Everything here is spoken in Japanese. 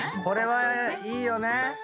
これはいいよね。